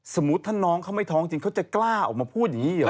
สมมุติถ้าน้องเขาไม่ท้องจริงเขาจะกล้าออกมาพูดอย่างนี้เหรอ